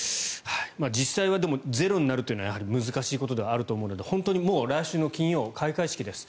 実際はゼロになるというのは難しいことではあると思うので本当にもう来週の金曜日開会式です。